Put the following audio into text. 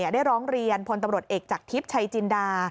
ได้ร้องเรียนพลตำรวจเอกจากทิพย์ชัยจินดา